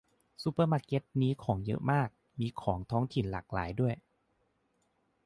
ซูเปอร์มาร์เก็ตนี้ของเยอะมาก มีของท้องถิ่นหลากหลายด้วย